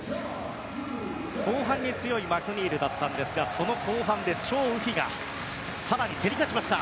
後半に強いマクニールだったんですがその後半でチョウ・ウヒが更に競り勝ちました。